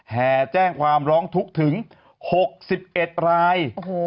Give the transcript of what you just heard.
แห่แจ้งความร้องทุกข์ถึง๖๑ราย